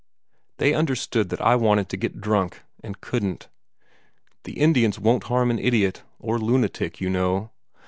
They understood that I wanted to get drunk, and couldn't. The Indians won't harm an idiot, or lunatic, you know.